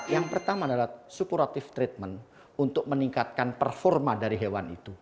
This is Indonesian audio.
yang pertama adalah superatif treatment untuk meningkatkan performa dari hewan itu